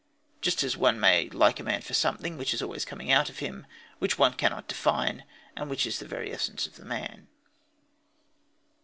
Just as one may like a man for something which is always coming out of him, which one cannot define, and which is of the very essence of the man.